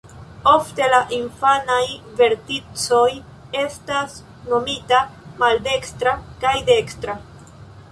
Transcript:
Ofte la infanaj verticoj estas nomita "maldekstra" kaj "dekstra".